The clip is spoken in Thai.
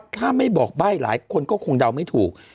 ถ้าไม่บอกใบ้หลายคนก็คงเดาไม่ถูก